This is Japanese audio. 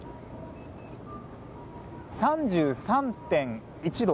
３３．１度。